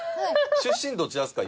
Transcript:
出身どちらですか？